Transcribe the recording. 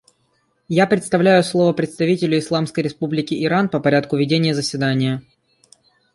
Я предоставляю слово представителю Исламской Республики Иран по порядку ведения заседания.